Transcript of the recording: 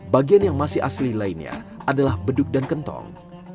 bagian yang masih asli lainnya adalah beduk dan kentong